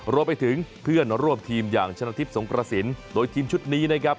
รวมไปถึงเพื่อนร่วมทีมอย่างชนะทิพย์สงกระสินโดยทีมชุดนี้นะครับ